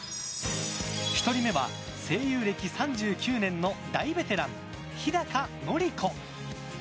１人目は声優歴３９年の大ベテラン、日高のり子。